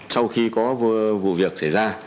sau khi có vụ việc